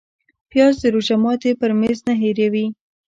پیاز د روژه ماتي پر میز نه هېروې